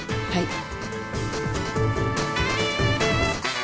はい。